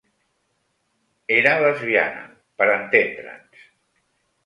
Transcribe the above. Era lesbiana, per entendre'ns.